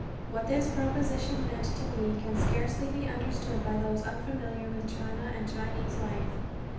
What this proposition meant to me can scarcely be understood by those unfamiliar with China and Chinese life.